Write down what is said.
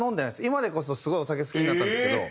今でこそすごいお酒好きになったんですけど。